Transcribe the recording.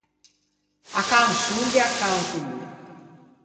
A canson ghe â canto mi.